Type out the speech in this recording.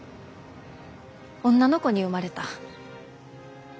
女の子に生まれた。